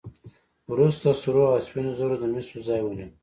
وروسته سرو او سپینو زرو د مسو ځای ونیو.